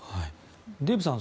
デーブさん